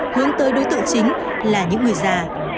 hướng tới đối tượng chính là những người già